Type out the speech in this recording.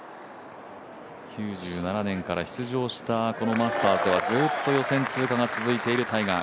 ９７年から出場したこのマスターズはずーっと予選通過が続いているタイガー。